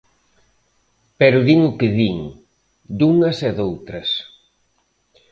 Pero din o que din, dunhas e doutras.